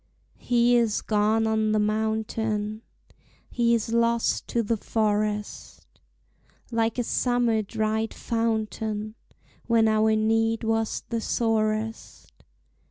He is gone on the mountain, He is lost to the forest, Like a summer dried fountain When our need was the sorest.